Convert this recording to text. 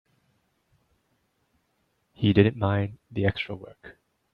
He didn't mind the extra work.